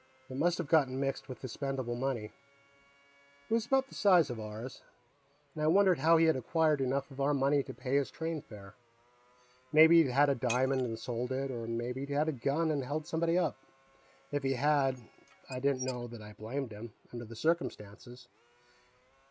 It must have gotten mixed with his spendable money it was about the size of ours and I wondered how he had acquired enough of our money to pay his train fare. Maybe he'd had a diamond and sold it, or maybe he'd had a gun and held somebody up. If he had, I didn't know that I blamed him, under the circumstances.